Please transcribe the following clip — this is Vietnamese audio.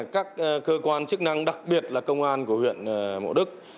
các cơ quan chức năng đặc biệt là công an của huyện mộ đức